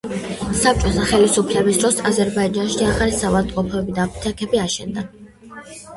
საბჭოთა ხელისუფლების დროს აზერბაიჯანში ახალი საავადმყოფოები და აფთიაქები აშენდა.